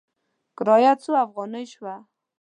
کرایه څو افغانې شوه؟